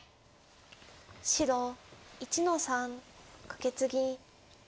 白１の三カケツギ。